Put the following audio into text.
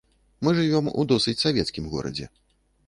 Мы жывём у досыць савецкім горадзе.